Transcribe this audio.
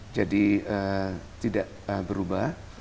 jadi tidak berubah